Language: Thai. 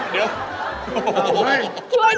เดี๋ยว